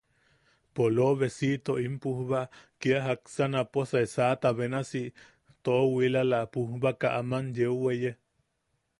Poloobesito, in pujba kia jaksa naposae saʼata benasi toowilala pujbaka aman yeu weye.